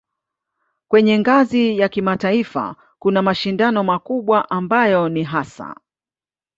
Kwenye ngazi ya kimataifa kuna mashindano makubwa ambayo ni hasa